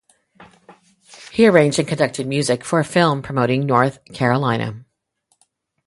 He arranged and conducted music for a film promoting North Carolina.